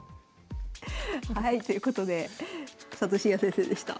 はいということで佐藤紳哉先生でした。